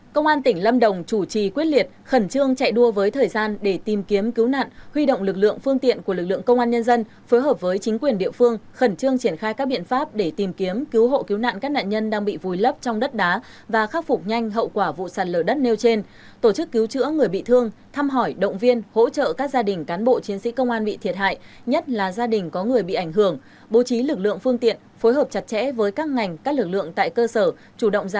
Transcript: công an tỉnh lâm đồng chủ trì quyết liệt khẩn trương chạy đua với thời gian để tìm kiếm cứu nạn huy động lực lượng phương tiện của lực lượng công an nhân dân phối hợp với chính quyền địa phương khẩn trương triển khai các biện pháp để tìm kiếm cứu hộ cứu nạn các nạn nhân đang bị vùi lấp trong đất đá và khắc phục nhanh hậu quả vụ sàn lở đất nêu trên tổ chức cứu chữa người bị thương thăm hỏi động viên hỗ trợ các gia đình cán bộ chiến sĩ công an bị thiệt hại nhất là gia đình có người bị ảnh hưởng bố trí lực lượng ph